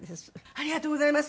ありがとうございます。